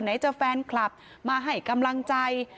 จะแฟนคลับมาให้กำลังใจ